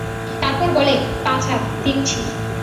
তারপর বলে, পা ছাড়, দিচ্ছি।